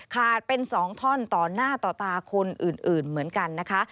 เป็น๒ท่อนต่อหน้าต่อตาคนอื่นเหมือนกันนะคะ